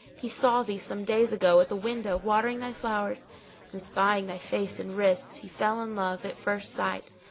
He saw thee, some days ago, at the window watering thy flowers and espying thy face and wrists he fell in love at first sight.